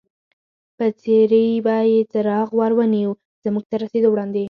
پر څېرې به یې څراغ ور ونیو، زموږ تر رسېدو وړاندې.